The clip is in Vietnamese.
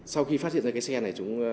sau khi phát hiện ra cái xe này